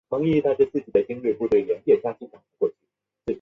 上弗洛雷斯塔是巴西马托格罗索州的一个市镇。